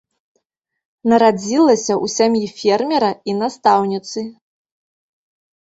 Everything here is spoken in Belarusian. Нарадзілася ў сям'і фермера і настаўніцы.